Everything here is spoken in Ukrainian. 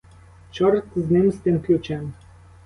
Чорт з ним, з тим ключем!